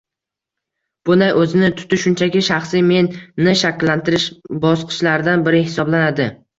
Bunday o‘zini tutish shunchaki shaxsiy “Men”ni shakllantirish bosqichlaridan biri hisoblanadi.